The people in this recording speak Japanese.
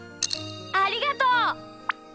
ありがとう！